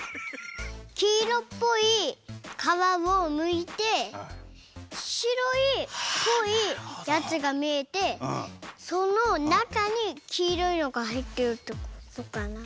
きいろっぽいかわをむいてしろいっぽいやつがみえてそのなかにきいろいのがはいってるってことかな。